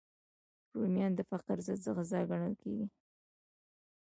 رومیان د فقر ضد غذا ګڼل کېږي